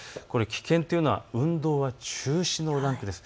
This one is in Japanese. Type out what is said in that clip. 危険というのは運動は中止のランクです。